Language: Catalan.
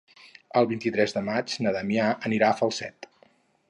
El vint-i-tres de maig na Damià anirà a Falset.